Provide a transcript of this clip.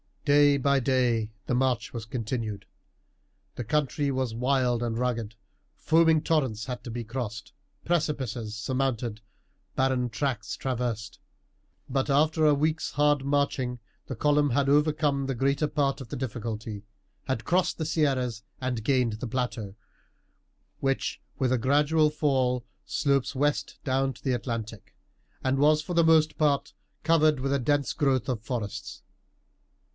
Day by day the march was continued. The country was wild and rugged, foaming torrents had to be crossed, precipices surmounted, barren tracts traversed. But after a week's hard marching the column had overcome the greater part of the difficulty, had crossed the Sierras and gained the plateau, which with a gradual fall slopes west down to the Atlantic, and was for the most part covered with a dense growth of forests.